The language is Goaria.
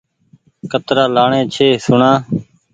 ڪترآ لآڻي ڇي سوڻآ